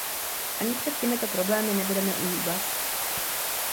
Ani před těmito problémy nebudeme uhýbat.